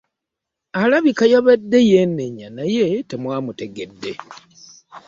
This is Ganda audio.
Alabika yabadde yeenenya naye temwamutegedde.